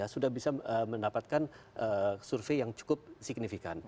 sudah bisa mendapatkan survei yang cukup signifikan